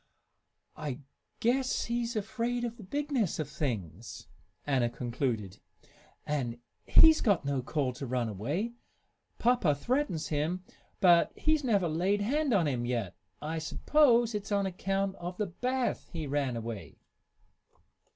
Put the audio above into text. "I guess he's afraid of the bigness of things," Anna concluded. "And he's got no call to run away. Papa threatens him, but he's never laid hand on him yet. I s'pose it's on account of the bath he ran away."